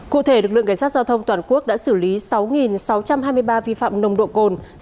cụ thể lực lượng cảnh sát giao thông toàn quốc đã xử lý sáu sáu trăm hai mươi ba vi phạm nồng độ cồn